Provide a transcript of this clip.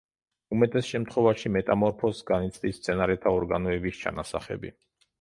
უმეტეს შემთხვევაში მეტამორფოზს განიცდის მცენარეთა ორგანოების ჩანასახები.